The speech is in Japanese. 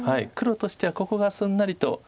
黒としてはここがすんなりと。